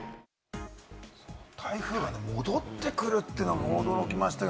台風が戻ってくるというのが驚きましたね。